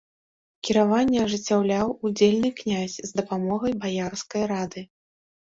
Кіраванне ажыццяўляў удзельны князь з дапамогай баярскай рады.